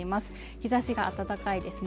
日ざしが暖かいですね